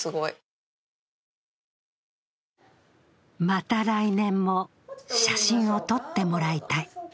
また来年も写真を撮ってもらいたい。